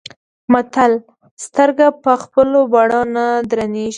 متل : سترګه په خپلو بڼو نه درنيږي.